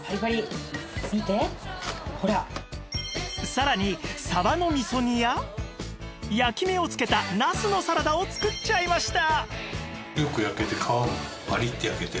さらにサバの味噌煮や焼き目をつけたナスのサラダを作っちゃいました！